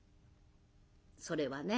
「それはね